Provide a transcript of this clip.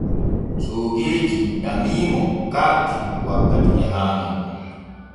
Soogeeji ƴamimo karti wakkati jahaaŋal.